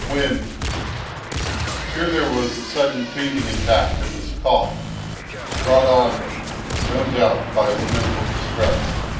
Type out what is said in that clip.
When—" Here there was a sudden fainting attack of his cough, brought on, no doubt, by his mental distress.